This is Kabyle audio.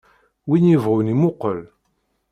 Win yebɣun imuqel.